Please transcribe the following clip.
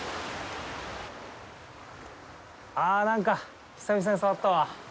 あぁ、なんか、久々に触ったわ！